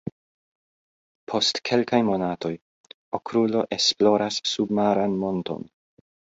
Post kelkaj monatoj, Okrulo esploras submaran monton.